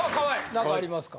なんかありますか？